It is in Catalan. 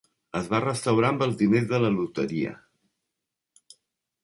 Es va restaurar amb els diners de la loteria.